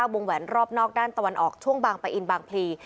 วงแหวนรอบนอกด้านตะวันออกช่วงบางปะอินบางพลี